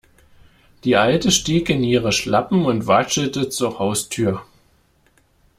Die Alte stieg in ihre Schlappen und watschelte zur Haustür.